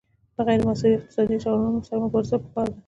د غیر مساوي اقتصادي تړونونو سره مبارزه پکار ده